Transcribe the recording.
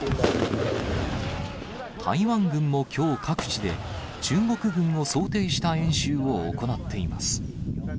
台湾軍もきょう、各地で中国軍を想定した演習を行っています。